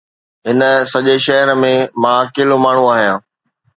هن سڄي شهر ۾، مان اڪيلو ماڻهو آهيان.